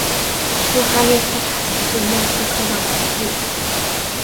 苏哈列夫塔曾是莫斯科的门户。